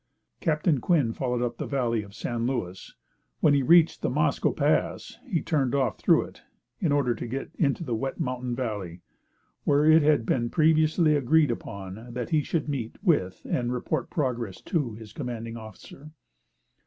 Captain Quinn followed up the valley of San Luis. When he reached the Mosco Pass, he turned off through it, in order to get into the Wet Mountain Valley, where it had been previously agreed upon that he should meet with and report progress to his commanding officer.